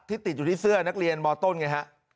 ติดอยู่ที่เสื้อนักเรียนมต้นไงฮะ